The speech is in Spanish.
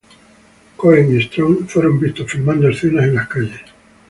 Cohen y Strong fueron vistos filmando escenas en las calles.